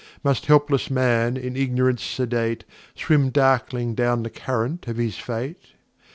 Must helpless Man, in Ignorance sedate, Swim darkling down the Current of his Fate?